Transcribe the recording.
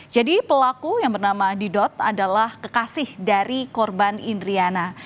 jadi pelaku yang bernama didot adalah kekasih dari korban indriana